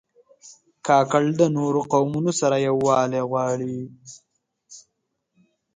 کاکړ د نورو قومونو سره یووالی غواړي.